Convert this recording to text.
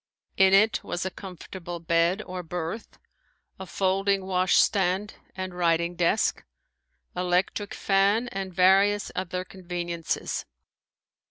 In it was a comfortable bed, or berth, a folding washstand and writing desk, electric fan, and various other conveniences.